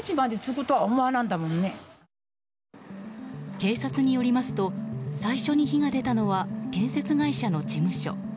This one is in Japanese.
警察によりますと最初に火が出たのは建設会社の事務所。